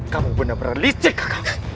kamu sudah berlisik kakak